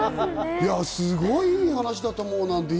すごくいい話だと思うな。